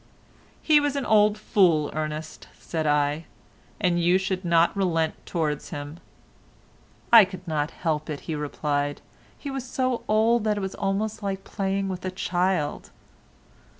"He was an old fool, Ernest," said I, "and you should not relent towards him." "I could not help it," he replied, "he was so old that it was almost like playing with a child."